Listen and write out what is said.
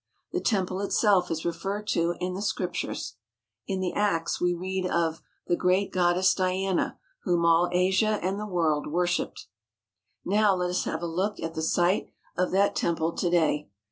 The temple itself is referred to in the Scriptures. In the Acts we read of "the great goddess Diana, whom all Asia and the world worshipped/' Now let us have a look at the site of that temple to day.